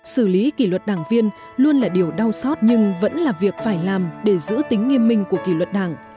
xử lý kỷ luật đảng viên luôn là điều đau sót nhưng vẫn là việc phải làm để giữ tính nghiêm minh của kỷ luật đảng